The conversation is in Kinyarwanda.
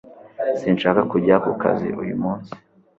Sinshaka kujya ku kazi uyu munsi